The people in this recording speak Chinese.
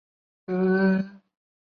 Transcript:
出生于官僚世家河东柳氏东眷。